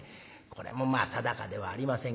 これもまあ定かではありませんけれどもね。